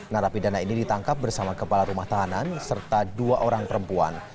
narapidana ini ditangkap bersama kepala rumah tahanan serta dua orang perempuan